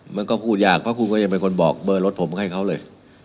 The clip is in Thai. มันก็พูดยากเพราะคุณก็ยังเป็นคนบอกเบอร์รถผมให้เขาเลย